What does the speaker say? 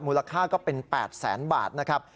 ก็เป็น๘แสนบาทนะครับ